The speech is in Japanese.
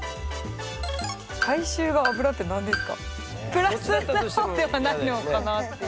プラスな方ではないのかなっていう。